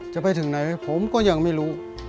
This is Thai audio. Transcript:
ถ้าไปที่ไหนผมก็ยังไม่รู้